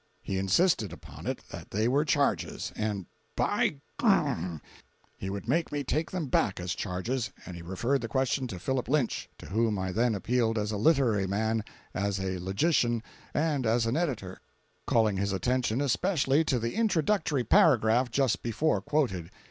He insisted upon it that they were charges, and "By—," he would make me take them back as charges, and he referred the question to Philip Lynch, to whom I then appealed as a literary man, as a logician, and as an editor, calling his attention especially to the introductory paragraph just before quoted.